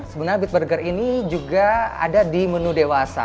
sebenarnya bit burger ini juga ada di menu dewasa